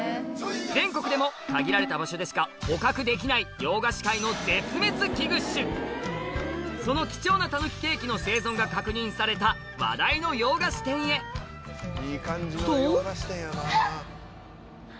全国でも限られた場所でしか捕獲できないその貴重なたぬきケーキの生存が確認された話題の洋菓子店へと？